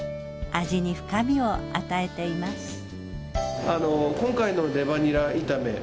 味に深みを与えています。